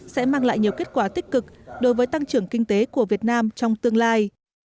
sẽ mang lại nhiều kết quả tích cực đối với tăng trưởng kinh tế của việt nam trong tương lai